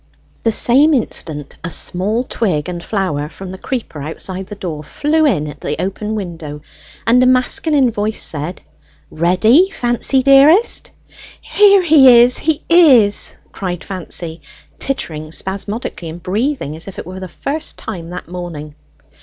The same instant a small twig and flower from the creeper outside the door flew in at the open window, and a masculine voice said, "Ready, Fancy dearest?" "There he is, he is!" cried Fancy, tittering spasmodically, and breathing as it were for the first time that morning.